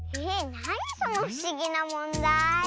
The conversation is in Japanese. なにそのふしぎなもんだい。